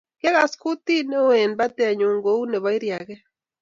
Ak kiagas kutit ne o eng' batennyu , kou nebo iriaget.